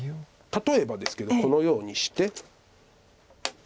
例えばですけどこのようにして。